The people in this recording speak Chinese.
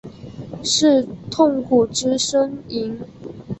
是痛苦之呻吟？